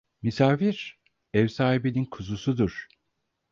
Misafir ev sahibinin kuzusudur.